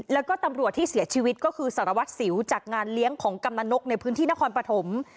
แล้วก็ตำรวจที่เสียชีวิตก็คือสารวัตรสิวจากงานเลี้ยงของกำนันนกในพื้นที่นครปฐม